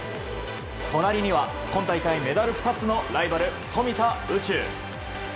隣には、今大会メダル２つのライバル、富田宇宙。